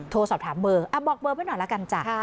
โทรสอบถามเบอร์อ่ะบอกเบอร์ไปหน่อยแล้วกันจ้ะค่ะ